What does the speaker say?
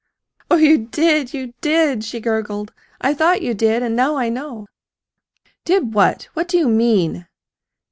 "Oh, you did, you did!" she gurgled. "I thought you did, and now I know!" "Did what? What do you mean?"